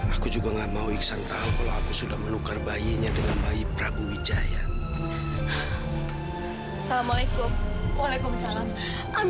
aku juga gak mau iksan tahu kalau aku sudah menukar bayinya dengan bayi prabu wijaya assalamualaikum